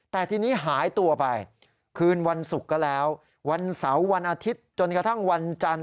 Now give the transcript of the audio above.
แต่ทีนี้หายตัวไปคืนวันศุกร์ก็แล้ววันเสาร์วันอาทิตย์จนกระทั่งวันจันทร์